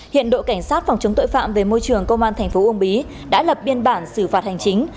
hiện đội cảnh sát phòng chống tội phạm về môi trường công an thành phố uông bí đã lập biên bản xử phạt hành chính